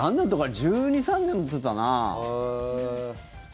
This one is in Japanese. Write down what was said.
１２１３年乗ってたな。